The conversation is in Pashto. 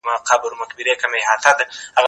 ته ولي سیر کوې